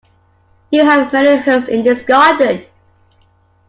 You have many herbs in this garden.